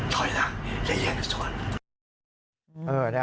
โทนนั้นได้ยังผิดสวน